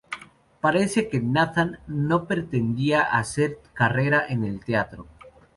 Parece que Nathan no pretendía hacer carrera en el teatro.